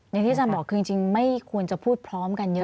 อย่างที่อาจารย์บอกคือจริงไม่ควรจะพูดพร้อมกันเยอะ